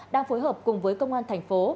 đang phối hợp cùng với công an thành phố